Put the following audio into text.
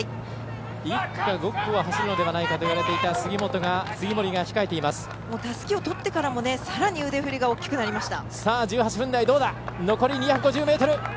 １区か５区を走るのではないかといわれていたたすきをとってからもさらに腕振りが大きくなりました。